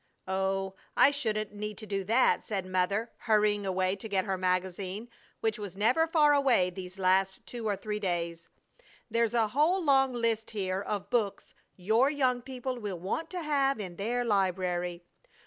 "Oh, I shouldn't need to do that!" said Mother, hurrying away to get her magazine, which was never far away these last two or three days. "There's a whole long list here of books 'your young people will want to have in their library.'